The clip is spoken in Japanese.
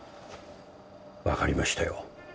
分かりましたよ。